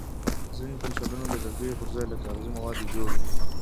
ځینې پنسلونه د لرګیو پر ځای له کاغذي موادو جوړ وي.